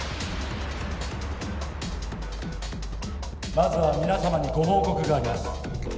まずは皆様にご報告があります